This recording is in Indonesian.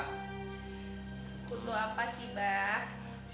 sekutu apa sih pak